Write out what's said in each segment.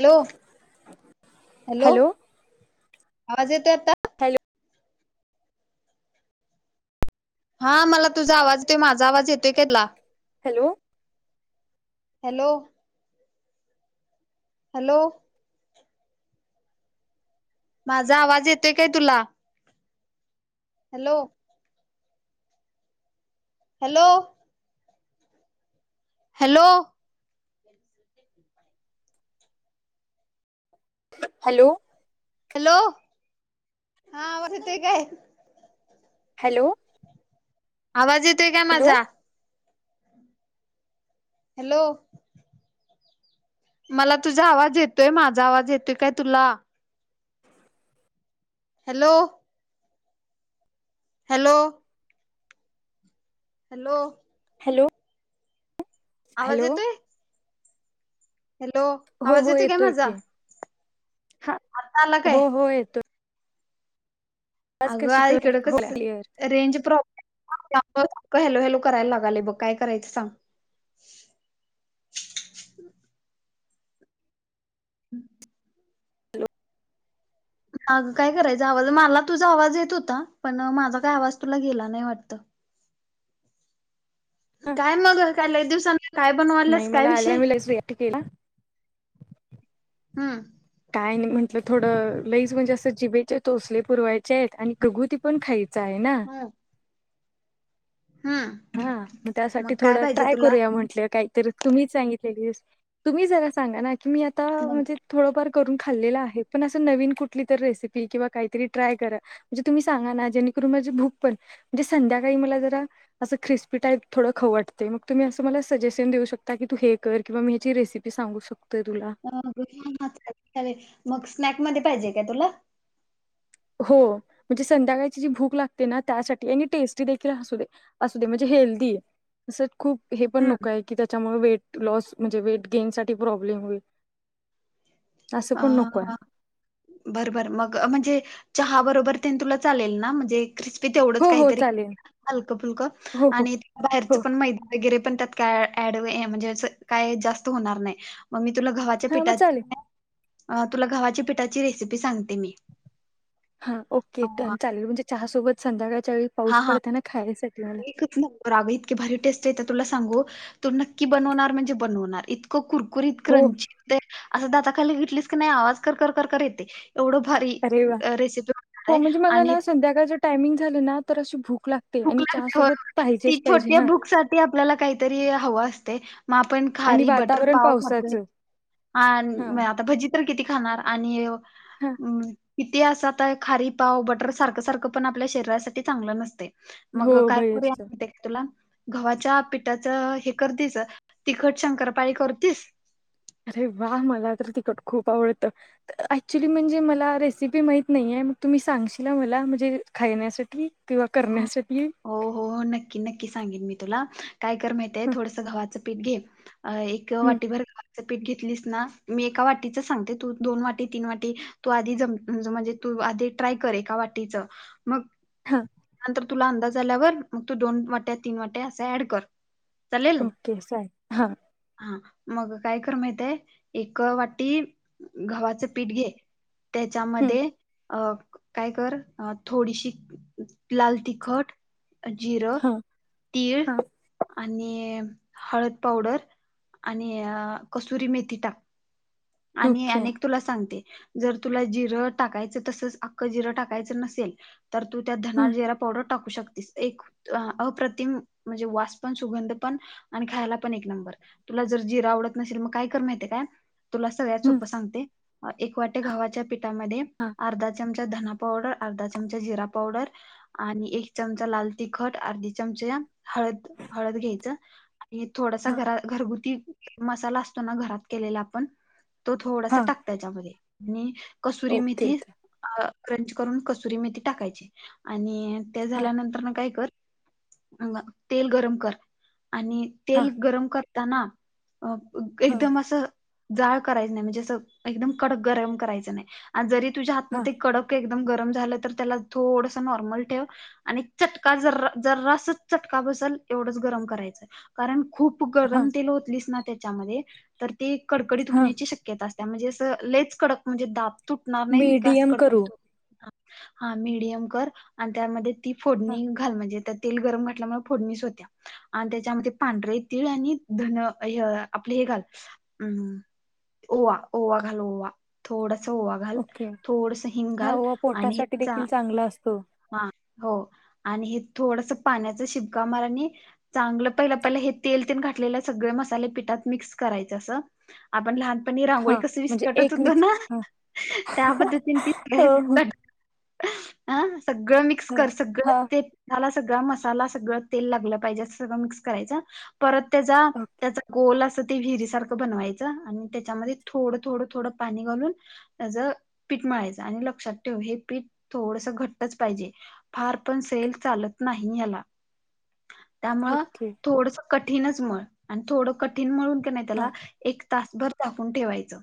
Hello hello, hello आवाज येतोय आता. हॅलो, हा मला तुझा आवाज येतोय माझा आवाज येतोय काय तुला. हॅलो, हॅलो, हॅलो, माझा आवाज येतोय काय तुला? Hello, hello, hello, hello, hello हा आवाज येतोय काय? हॅलो, आवाज येतोय का हॅलो माझा. हॅलो, मला तुझा आवाज येतोय. माझा आवाज येतोय काय तुला? हॅलो, हॅलो, हॅलो, हॅलो, आवाज हॅलो येतोय? हॅलो हो आवाज हो येतोय काय की माझा. हा आता आला काय हो-हो येतोय. आज कशी अगं इकड हो कस क्लिअर रेंज प्रॉब्लेब आहे त्यामुळे हॅलो हॅलो करायला लागालय बघ काय करायचं सांग. [inaudible] हॅलो अग काय करायचा आवाज मला तुझा आवाज येत होता पण माझा काय आवाज तुला गेला नाही वाटत. काय मग काय लय दिवसान नाही मला आल्या वर मी लगेच सिलेक्ट केला. हम्म आईने म्हटलं थोडं लईज म्हणजे असं जिबेचे तोसले पुरवायचे आहेत आणि खगुती पण खाईत च आहेना हम्म हम्म हा मग त्यासाठी काय थोडं पाहिजे ट्राय तुला करूया म्हंटले काही तर तुम्हीच सांगितलेलीस तुम्ही जरा सांगा ना. तुम्ही आता मग म्हणजे थोडंफार करून खाल्लेला आहे. पण अस नवीन कुठलीतरी रेसिपी किंवा काहीतरी तरी ट्राय करा. म्हणजे तुम्ही सांगा ना जेणेकरून माझी भुक पण म्हणजे संध्याकाळी मला जरा असं क्रिस्पी टाइप थोडं वाटतंय मग तुम्ही असं मला सजेशन देऊ शकता की तू हे कर किंवा मी हेची रेसपी सांगू शकते. [unintelligible] मधे पाहिजे का तुला [inaudible] हो म्हणजे संध्याकाळची जी भूक लागते ना त्यासाठी आणि टेस्टी देखील हासुदे असुदे म्हणजे हेल्दी खूप हे पण हम्म नको आहे की त्याच्यात - त्यामुळे वेटलॉस म्हणजे वेटगेन साठी प्रॉब्लेम होईल [inaudible] असं पण नको आहे अ बरबर मग म्हणजे चहा बरोबर ते तुला चालेल ना म्हणजे ते - क्रिस्पी तेवढंच हो हो काहीतरी चालेल हलकं फुलकं हो हो आणि हो बाहेरच पण मैदा वगैरे त्यात काय ॲड वे ये म्हणजे जास्त काय अस होणार नाही मग तुला घवा्हाच्या हां मग पिठात चालेल [unintelligible] अ तुला घवा्हाची पिठाची रेसिपी सांगते मी [inaudible] हा अ, ओके डन चालेल म्हणजे चहा सोबत [unintelligible] ज्यावेळी हा पाऊस हा पडताना खायला - एकच नंबर आगा इतकी भारी टेस्ट आहे तुला सांगु हो तु नक्की बनवणार म्हणजे बनवणार इतक- [unintelligible] हो क्रंची ते अस दातात - [unintelligible] घेतलीस कणी अस आवाज कर कर कर येतय अरे वा हो आहे म्हणजे मला आणि ना संध्याकाळचं टायमिंग झालं ना तर अशी भूक - भुक लागतय होय होय ती छोट्या हां भूक साठी आपल्याला काहीतरी हवं असतय मग आपण आणि खारी बटर वातावरण पाव खातोय पावसाचं हां आणि आता भजी तर किती - खाणार आणि हों - - हां [inaudible] अं इतिहासात हाय खारी, पाव, बटर सारखं सारखं पण आपल्या शरीरासाठी चांगलं नसतय. मग हो काय बाहेरचं करूया [unintelligible] तुला - - गव्हाच्या पिठाचं हे करतीसच तिखट शंकरपाळी करतीस? अरे वा मला तर तिकड खूप आवडतं ऍक्च्युली म्हणजे मला रेसिपी माहीत नाहीये मग तुम्ही सांगशील मला म्हणजे खायण्यासाठी - - किंवा हो करण्यासाठी? [inaudible] हो हो हो, नक्की नक्की सांगीन मी तुला - - काय कर माहीतेय थोडंसं गव्हाचं - - पिठं घे. अ एक हं वाटी भर - - पीठ घेतलीस ना मी एका वाटीच सांगते तू तु दोन वाटी तीन वाटी तू आधी जम म्हणजे तू आधी ट्राय कर एका वाटीच मग - - हां तुला अंदाज आल्यावर मग त दोन वाट्या तीन वाट्या अस ऍड कर. चालेल ओके साय हा हा मग काय कर माहितय एक वाटी गव्हाचं पीठ घे. हं त्याच्यामध्ये - - अ काय कर आ थोडीशी - - लाल तिखट, जीर, हां तीळ, हां आणि - - हळद पावडर आणि आ कसुरी मेथी टाक. आणि ओके अनेक तुला सांगते - - जर तुला जिरं टाकायचं तसच अख्खं जिरं टाकायचं नसेल - - तर तू त्यात धना हं जिरा पावडर - - टाकू शकतीस एक अप्रतिम म्हणजे वास पण सुगंध पण आणि खायला पण एक नंबर तुला जर जिरा आवडत नसेल मग काय कर माहित काय?. तुला सगळ्यात हं सोप सांगते. एक वाट्या गव्हाच्या पीठ - - त्यामध्ये अर्धा चमचा - - धना पावडर अर्धा चमचा जिरा पावडर आणि एक चमचा लाल तिखट अर्धी चमचे हळद हळद घ्यायचं. मी थोडासा हां घरा घरगुती - - मसाला असतो ना घरात केलेला आपण. तो थोडासा हां टाक त्याच्यामध्ये - - मी - - कसुरी ओके मेथी अ - - क्रंच करून कसुरी मेथी टाकायची आणि - - ते हां झाल्यानंतर न काय कर - - अगं तेल गरम कर. आणि हां तेल गरम कर. [unintelligible] अप हां एकदम असं. जाळ करायच नाही, म्हणजे अस एकदम कडक गरम करायचं नाही आणि जरी तुझ्या हातन हां ते कडक एकदम गरम झालं तर त्याला थोडस नॉर्मल ठेव. आणि चटका जरा जरासा चटका बसेल गरम करायच. खूप हां गरम तेल वतलीस ना त्याच्यामध्ये तर ते कडकडीत हां होण्याची शक्यता असते. त्या मध्ये असं लेच कडक म्हणजे दाब तुटणार नाहीत, का इतका असं मीडियम करू कडकडीत हा मिडीयम कर आणि त्यामध्ये ती हां फोडणी घाल म्हणजे तेल गरम म्हटल मग, फोडणीस होत्या आणि त्याच्यामध्ये पांढरे तिळ आणि धण यहं आपले हे घाल हम् ओवा-ओवा घाल, ओवा थोडा ओके! हा ओवा पोटासाठी देखील चांगला असतो. हां हो आणि हे थोडसं पाण्याचा शिपका मार आणि चांगलं पहिलं-पहिलं हे तेल ते घातलेले, सगळे मसाले पिठात मिक्स करायचं असं, आपण लहान मी रांगोळी हां कसं म्हणजे विस्कटत एक होतो मिक्स ना, हां त्या पद्धतीने ती हो हो तट आं सगळं मिक्स हां कर, सगळं हां ते झालास सगळा मसाला, सगळं तेल लागलं पाहिजे, अस सगळं मिक्स करायचं, परत त्याचा, ओके त्याचा गोल असं ते विहिरी सारखं बनवायचं, आणि त्याच्यामध्ये थोडं थोडं थोडं पाणी घालून, त्याचं पीठ मळायचं आणि लक्षात ठेव, हे पीठ थोडसं घट्ट [unintelligible] पाहिजे, फार पण सेल चालत नाही याला. त्यामुळं ओके थोडसं कठीणच मळ आणि थोडं कठीण मळून कि नाय त्याला, हां एक तासभर टाकून ठेवायचं.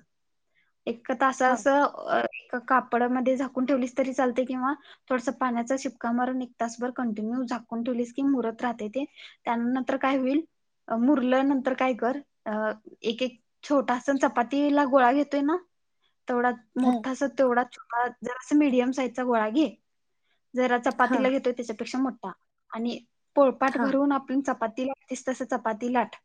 एक्क तास हां असं [unintelligible] अ कापडामध्ये झाकून ठेवलीस तरी चालते किंवा थोडसं पाण्याचा शिपका मारून एक तासभर कणिक मळून झाकून ठेवलीस कि, मुरत राहते ते, त्यानंतर काय होईल, अ मुरल्या नंतर काय कर, अं एक-एक छोटासा चपातीला गोळा घे ते ना तेवढा, हां मोठासा, तेवढाच छो मग जरासा मीडियम साईजचा गोळा घे. जराचं चपाती ला हां, घेतो, त्याच्यापेक्षा मो हां आणि पोळपाट हां. भरून आपली चपाती लाटतीस तस, चपाती लाट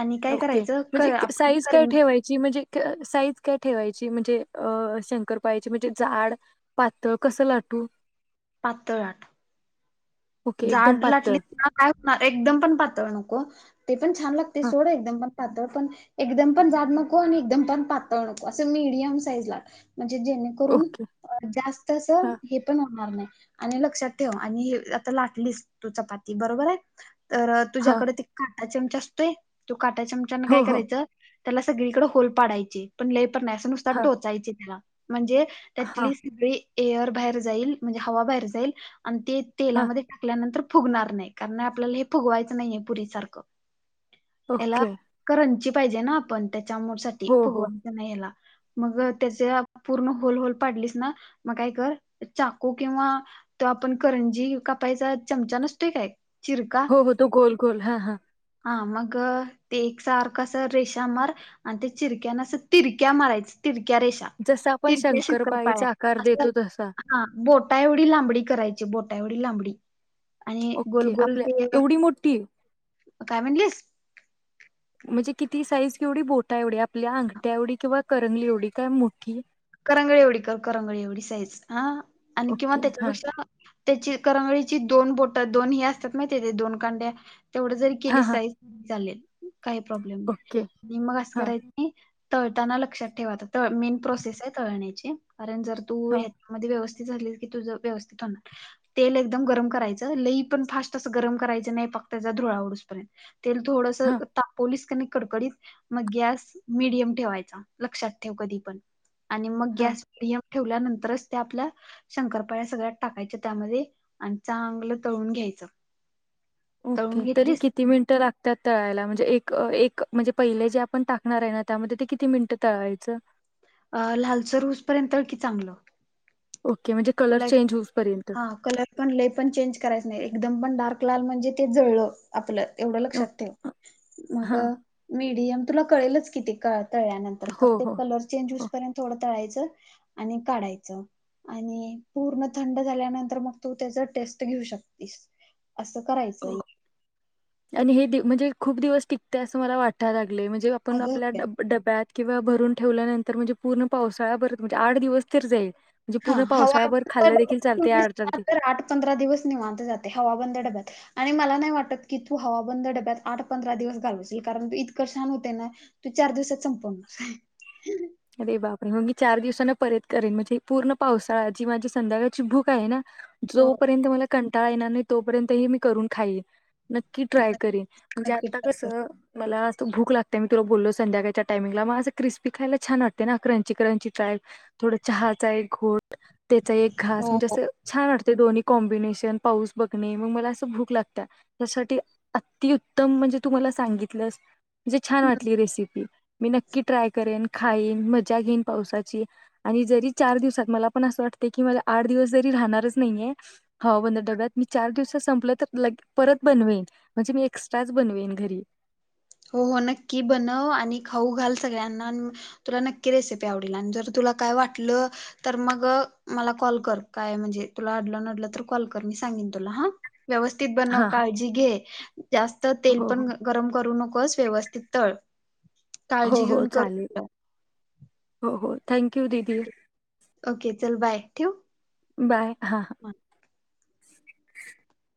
आणि काय ओके, करायचं म्हणजे कर आपण साईज कर काय ठेवायची? म्हणजे साईज काय ठेवायची? म्हणजे अ शंकरपाळीची, म्हणजे जाड, पातळ, म्हणजे कसं लाटू? पाातळ लाट. ओके, एकदम जाड पातळ. लाटली ना काय, म् एकदम पण पातळ नको. ते पण छान लागते, हां, सोडं एकदम मग पातळ पण, एकदम पण जाड नको आणि एकदम पण पातळ नको, असं मीडियम साईजला म्हणजे जेणेकरून, ओके. जास्त असं हां, हे पण होणार नाही. आणि लक्षात ठेव, आणि हे [unintelligible] लाटलीस, तू चपाती, बरोबर आहे? तर हां. तुझ्याकडे ते [unintelligible] आज आमच असतोय काट्या चमचान काय हो, हो. करायचं त्याला सगळीकडे होल पाडायचे पण पण नाय आस नुसत हां, टोचायच त्याला म्हणजे हां, त्यातली सगळी एअर बाहेर जाईल म्हणजे हवा बाहेर जाईल आणि ते हां. तेलामध्ये टाकल्यानंतर फुगणार नाही कारण आपल्याला हे फुगवायचं नाहीय पुरीसारखं याला ओके. करंजी पाहिजे ना आपण त्या च्यामुळे हो, हो. फुगवायचं नाही याला मग त्याच पूर्ण होल होल पाडलीस ना मग काय कर चाकू किंवा तो आपण करंजी काप कापायचा चमचा नसतोय काय चिरका हो हो तो गोल गोल हा हा हा मग ते एक सारखं अस रेशा मार आणि ते चिरक्यान अस तिरक्या मारायचं तिरक्या तिरक्या रेषा तिरक्या रेषा जसं आपण तिरक्या शंकरपाळ्या शंकरपाळीचा आकार असते अस देतो तसा. हा बोटा एवढी लांबडी करायची एवढी लांबडी आणि ओके गोलगोल आपल्या ते एवढी मोठी काय म्हणलीस? म्हणजे किती साईज केवढी बोट एवढी आपल्या अंग्यावढडी किंवा करंगली एवढी काय मोठी करंगळी एवढी कर करंगळ एवढी साईज हा आणि किंवा ओके. हां, त्याच्यापेक्षा त्याची करंगळीची दोन बोट दोन ही असतात नाही ती दोन कांड्या तेवढं जरी केली हां, हां. साईज चालेल काही प्रॉब्लेम नाही ओके. आणि मग असं हां, करायचं तळताना लक्षात ठेव आता मेन प्रोसेस आहे तळण्याचे कारण जर तू हां, ह्याच्यामध्ये व्यवस्थ झालीस तुझ व्यवस्थित होणार तेल एकम गरम करायचं लई पण फास्ट अस गरम करायच नाही पाक त्याचा धुरळा उडूस पर्यंत तेल थोडस हां, तापवलंस की नाय कडकडीत मग मिडीयम ठेवायचा लक्षात ठेव कधी पण आणि मग हां. गॅस ठेवल्यानंतरच त्या आपल्या शंकरपाळ्या सगळ्यात टाकायच्या त्यामध्ये आणि चांगलं तळून घ्यायचं. तळून ओके तरी घेतलीस किती मिनट लागतात तळायला म्हणजे एक म्हणजे पहिले जे आपण टाकणार आहे ना त्यामध्ये ते किती मिनिटं तळायचं. अ लालसर होऊसपर्यंत तळ कि चांगलं. ओके म्हणजे कलर तुला एक चेंज होऊसपर्यंत हा कलर पण लइ पण चेंज करायच नाही एकदम पण डार्क लाल म्हणजे ते जळलं आपलं. एवढं लक्षात ठेव ओके मग हां मीठ तुला कळेलच कि ते काळ तळल्यानंतर हो फक्त हो कलर चेंज होऊस पर्यंत थोडं तळायचं. आणि काढायच आणि पूर्ण थंड झाल्यानंतर मग तू त्याचा टेस्ट घेऊ शकतेस. असं करायचं हो आहे. आणि हे म्हणजे खूप दिवस टिकते असं मला वाटाय लागलय. म्हणजे आपण अगं आपल्या डब्यात किंवा भरून ठेवल्यानंतर म्हणजे पूर्ण पावसाळा भर म्हणजे आठ दिवस तर जाईल. म्हणजे हा पूर्ण हवा पावसाळाभर बंद खाल्लं देखील डब्यात चालते ठेवलीस आठ चार दिवस तर आठ पंधरा दिवस निवांत जातय हवाबंद डब्यात. आणि मला नाही वाटत की तू हवा बंद डब्यात आठ पंधरा दिवस घालवशील कारण तू इतकं छान होते ना तू चार दिवसात संपवून अरे बापरे मग मी चार दिवसांन परत करेन म्हणजे पूर्ण पावसाळाजी माझी संध्याकाळची भूक आहे ना. हो जोपर्यंत मला कंटाळा येणार नाही तोपर्यंतही मी करून खाईन. नक्की ट्राय करेन म्हणजे नक्की नक्की आता कर कसं मला भूक लागते मी तुला बोललो संध्याकाळच्या टाइमिंगला मग अस किस्पी खायला छान वाटते ना क्रंची क्रंची ट्राय थोडं चहाचा एक घोट त्याचा एक घास हो म्हणजे असं छान वाटते दोन्ही कॉम्बिनेशन पाऊस बघणे मग मला असं भूक लागत्या त्यासाठी अतिउत्तम म्हणजे तू मला सांगितलंस म्हणजे छान हो वाटली रेसिपी मी नक्की ट्राय करेन. खाईन मजा घेईन पावसाची आणि जरी चार दिवसात मला पण असं वाटते की मला आठ दिवस जरी राहणारच नाहीये हवा बंद डब्यात मी चार दिवसात संपलं तर लग परत बनवेन म्हणजे मी एक्स्ट्राच बनवेन घरी. हो हो नक्की बनव आणि खाऊ घाल सगळ्यांना तुला नक्की रेसिपी आवडेल आणि जर तुला काय वाटलं तर मग मला कॉल कर काय म्हणजे तुला अडलं नडलं तर कॉल कर मी सांगीन तुला. हा व्यवस्थित बनव हा हा काळजी घे. जास्त तेल हो हो पण गरम करू नको बस व्यवस्थित तळ. हो काळजी हो घेऊन कर चालेल तेवढ. हो हो थँक दीदी. ओके चल बाय ठेवु. बाय. हा हां [inaudible]